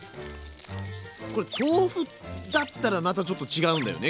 これ豆腐だったらまたちょっと違うんだよね